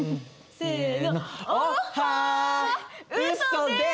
せの。